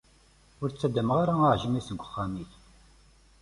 Ur d-tteddmeɣ ara aɛejmi seg uxxam-ik.